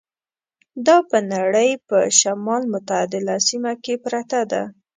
دا په نړۍ په شمال متعدله سیمه کې پرته ده.